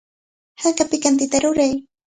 Haka pikantita ruray.